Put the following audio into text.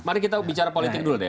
mari kita bicara politik dulu deh